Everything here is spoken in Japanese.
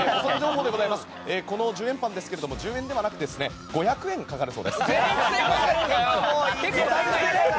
この１０円パンですが１０円ではなくて５００円かかるそうです。